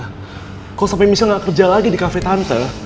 kalo sampe miss l gak kerja lagi di cafe tante